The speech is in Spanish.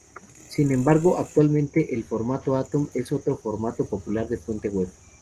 Sin embargo, actualmente el formato Atom es otro formato popular de fuente web.